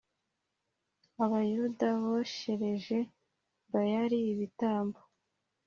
Abayuda boshereje Bayali ibitambo